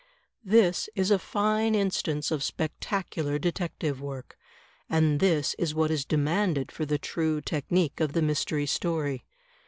This is a fine instance of spectacular detective work. And this is what is demanded for the true technique of the Mystery Story.